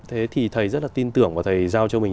thế thì thầy rất là tin tưởng và thầy giao cho mình